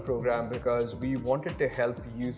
karena kami ingin membantu pengguna